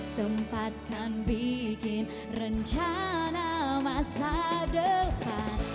sempatkan bikin rencana masa depan